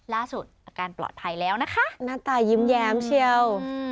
อาการปลอดภัยแล้วนะคะหน้าตายิ้มแย้มเชียว